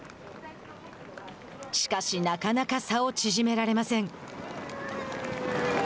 しかし、なかなか差を縮められません。